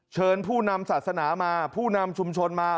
เชิญผู้นำศาสนามาผู้นำชุมชนมา